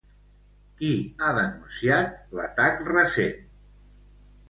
Qui ha denunciat l'atac recent?